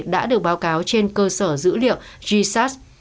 đã được báo cáo trên cơ sở dữ liệu gsas